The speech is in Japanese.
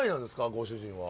ご主人は。